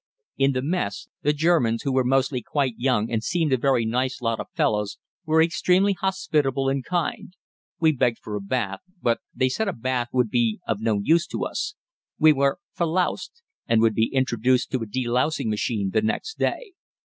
In the mess, the Germans, who were mostly quite young and seemed a very nice lot of fellows, were extremely hospitable and kind. We begged for a bath, but they said a bath would be no use to us. We were "verloust," and would be introduced to a de lousing machine the next day.